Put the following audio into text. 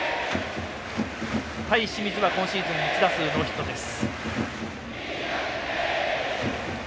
対清水は今シーズン１打数ノーヒットです。